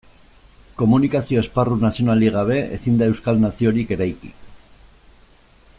Komunikazio esparru nazionalik gabe, ezin da euskal naziorik eraiki.